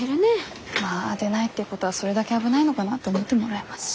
まあ出ないっていうことはそれだけ危ないのかな？って思ってもらえますし。